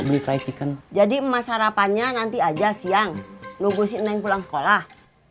beli kaya chicken jadi emas harapannya nanti aja siang logo si neng pulang sekolah